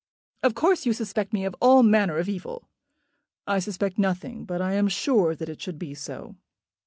"Of course you suspect me of all manner of evil." "I suspect nothing; but I am sure that it should be so."